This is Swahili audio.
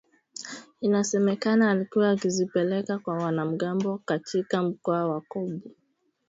inasemekana alikuwa akizipeleka kwa wanamgambo katika mkoa wa Kobu